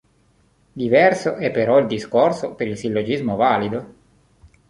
Diverso è però il discorso per il sillogismo valido.